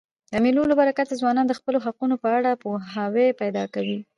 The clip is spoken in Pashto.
د مېلو له برکته ځوانان د خپلو حقونو په اړه پوهاوی پیدا کوي.